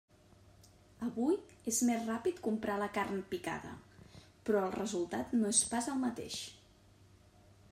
Avui és més ràpid comprar la carn picada, però el resultat no és pas el mateix.